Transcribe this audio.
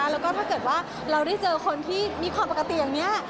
แล้วก็ถ้าเกิดว่าเราได้เจอคนที่มีความปกติอย่างนี้